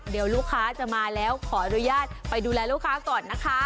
เดี๋ยวลูกค้าจะมาแล้วขออนุญาตไปดูแลลูกค้าก่อนนะคะ